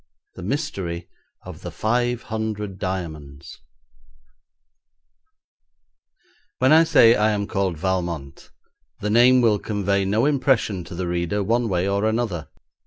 The Mystery of the Five Hundred Diamonds When I say I am called Valmont, the name will convey no impression to the reader, one way or another.